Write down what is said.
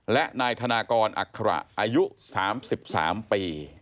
และนายธนากรอัคระอายุ๓๓ปี